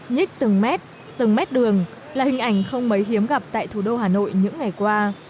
nhích từng mét từng mét đường là hình ảnh không mấy hiếm gặp tại thủ đô hà nội những ngày qua